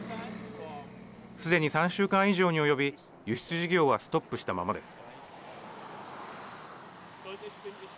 すでに３週間以上に及び輸出事業はストップしたままです。